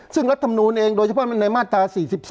ซึ่งรัฐมนูลเองโดยเฉพาะมันในมาตรา๔๔